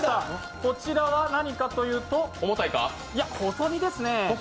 こちらは何かというと細身ですね。